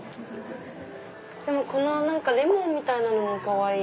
このレモンみたいなのもかわいい。